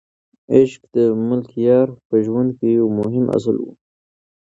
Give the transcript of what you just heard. عشق د ملکیار په ژوند کې یو مهم اصل و.